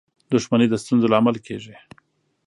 • دښمني د ستونزو لامل کېږي.